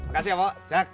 makasih ya po jack